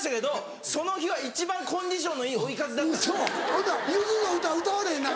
ほんならゆずの歌歌われへんな。